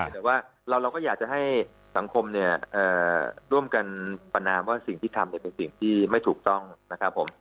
แต่ว่าเราก็อยากจะให้สังคมเนี่ยร่วมกันประนามว่าสิ่งที่ทำเป็นสิ่งที่ไม่ถูกต้องนะครับผม